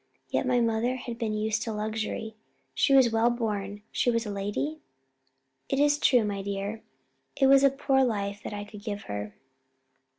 Yet my mother had been used to luxury, She was well born she was a lady?" "It is true, my dear; it was a poor life that I could give her."